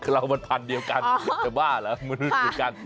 เรามันพันธุ์เดียวกันแต่ว่าละมันพันธุ์เดียวกัน